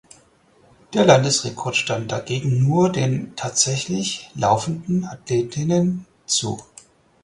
Der Landesrekord stand dagegen nur den tatsächlich laufenden Athletinnen zu.